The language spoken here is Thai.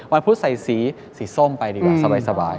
พุธใส่สีสีส้มไปดีกว่าสบาย